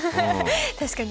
確かに。